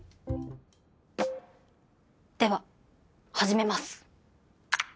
では始めます！